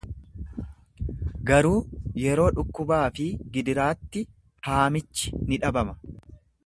Garuu yeroo dhukkubaa fi gidiraatti haamichi ni dhabama.